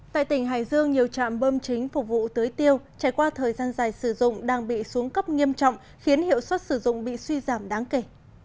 tại tỉnh hải dương nhiều trạm bơm chính phục vụ tưới tiêu trải qua thời gian dài sử dụng đang bị xuống cấp nghiêm trọng khiến hiệu suất sử dụng bị suy giảm đáng kể